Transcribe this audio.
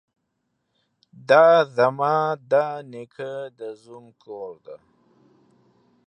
ده ځما ده نيکه ده زوم کور دې.